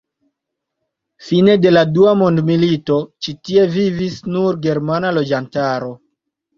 Fine de la dua mondmilito ĉi tie vivis nur germana loĝantaro.